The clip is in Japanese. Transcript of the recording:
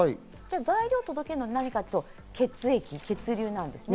材料を届けるのは何かっていうと血液、血流です。